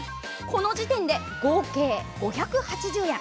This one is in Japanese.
この時点で、合計５８０円。